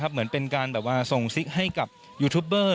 เหมือนเป็นการส่งสิคให้กับยูทูปเบอร์